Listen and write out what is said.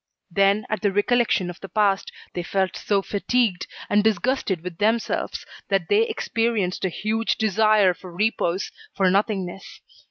Then, at the recollection of the past, they felt so fatigued and disgusted with themselves, that they experienced a huge desire for repose, for nothingness.